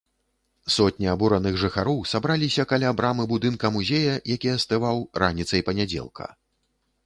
Сотні абураных жыхароў сабраліся каля брамы будынка музея, які астываў, раніцай панядзелка.